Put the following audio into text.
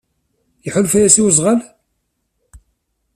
Iḥulfa-yas i wezɣal?